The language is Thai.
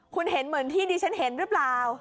คุณเห็นเหมือนที่ดิฉันเห็นหรือเปล่า